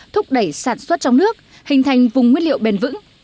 thúc đẩy sản xuất trong nước hình thành vùng nguyên liệu bền vững